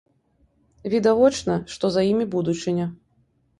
Відавочна, што за імі будучыня.